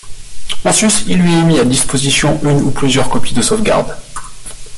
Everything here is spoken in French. En sus, il lui est mis à disposition une ou plusieurs copies de sauvegarde.